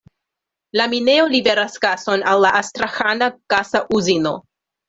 La minejo liveras gason al la Astraĥana gasa uzino.